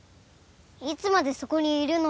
いつまでそこにいるのである。